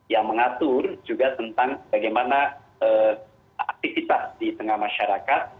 yang mengatur juga tentang bagaimana aktivitas di tengah masyarakat